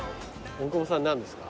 大久保さん何ですか？